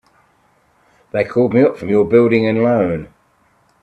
They called me up from your Building and Loan.